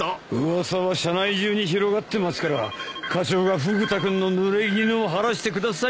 噂は社内中に広がってますから課長がフグ田君のぬれぎぬを晴らしてくださいよ。